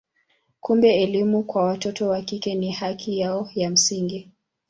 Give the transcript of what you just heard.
Kumbe elimu kwa watoto wa kike ni haki yao ya msingi.